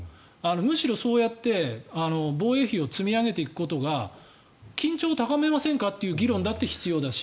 むしろそうやって防衛費を積み上げていくことが緊張を高めませんかという議論だって必要だし。